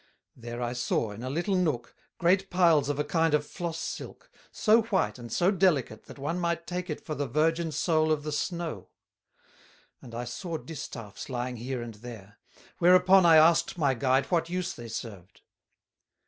There I saw, in a little nook, great piles of a kind of floss silk, so white and so delicate that one might take it for the virgin Soul of the snow; and I saw distaffs lying here and there; whereupon I asked my guide what use they served.